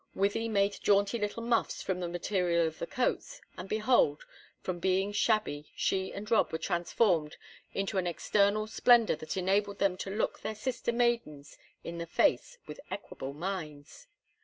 Wythie made jaunty little muffs from the material of the coats, and behold, from being shabby, she and Rob were transformed into an external splendor that enabled them to look their sister maidens in the face with equable minds.